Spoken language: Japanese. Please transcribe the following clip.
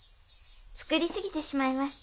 作りすぎてしまいました。